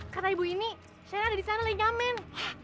kata ibu ini saya ada di sana lagi nyamin